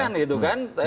ya contoh kan gitu kan